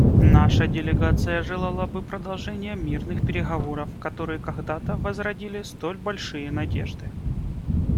Наша делегация желала бы продолжения мирных переговоров, которые когдато возродили столь большие надежды.